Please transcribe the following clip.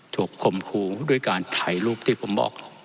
คมครูด้วยการถ่ายรูปที่ผมบอก